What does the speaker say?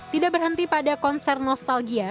tidak berhenti pada konser nostalgia